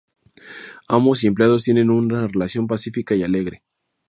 Amos y empleados tienen una relación pacífica y alegre.